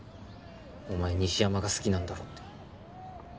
お前西山が好きなんだろって。